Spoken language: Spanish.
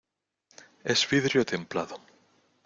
es vidrio templado.